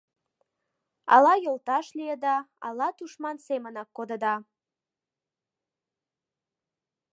— Ала йолташ лийыда, ала тушман семынак кодыда...